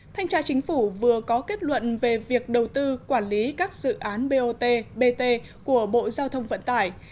thanh tra chính phủ vừa có kết luận về việc đầu tư quản lý các dự án bot bt của bộ giao thông vận tải